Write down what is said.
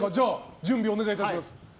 準備お願いします。